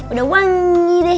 udah wangi deh